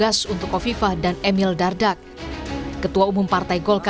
bersama kofifah indar parawansa